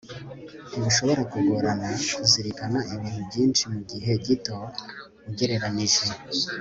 ntibishobora kugorana kuzirikana ibintu byinshi mu gihe gito ugereranije